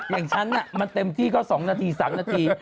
อย่างฉันมันเต็มที่ก็๒นาที๓นาที